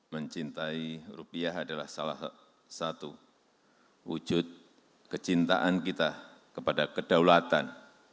mencintai rupiah adalah salah satu wujud kecintaan kita kepada kedaulatan